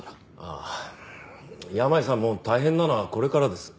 山家さんも大変なのはこれからです。